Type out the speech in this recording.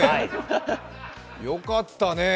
よかったねえ。